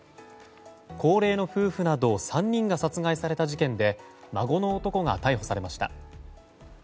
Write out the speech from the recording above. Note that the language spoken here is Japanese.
高齢の夫婦など３人が殺害された事件で孫の男が逮捕されました。